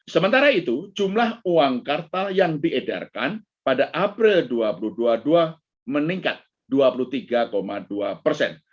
sementara itu jumlah uang kartal yang diedarkan pada april dua ribu dua puluh dua meningkat dua puluh tiga dua persen